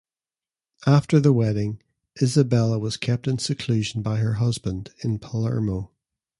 After the wedding, Isabella was kept in seclusion by her husband, in Palermo.